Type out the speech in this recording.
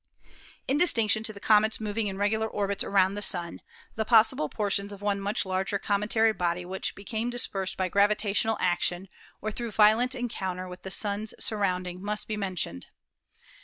In distinction to the comets moving in regular orbits around the Sun, the possible portions of one much larger cometary body which became dispersed by gravitational action or through violent encounter with the suns sur rounding must be mentioned.